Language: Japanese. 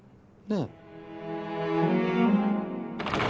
ねえ？